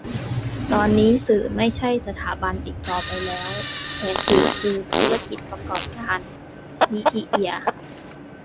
ตอนนี้สื่อไม่ใช่สถาบันอีกต่อไปแล้ว แต่สื่อคือธุรกิจประกอบการ - นิธิ เอีย